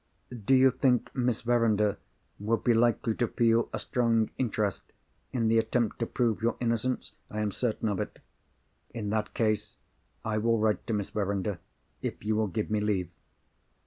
"Do you think Miss Verinder would be likely to feel a strong interest in the attempt to prove your innocence?" "I am certain of it." "In that case, I will write to Miss Verinder—if you will give me leave."